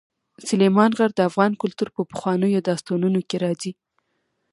سلیمان غر د افغان کلتور په پخوانیو داستانونو کې راځي.